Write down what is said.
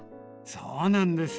そうなんです。